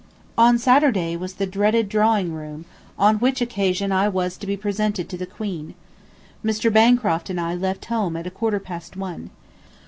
On Saturday was the dreaded Drawing Room, on which occasion I was to be presented to the Queen. ... Mr. Bancroft and I left home at a quarter past one.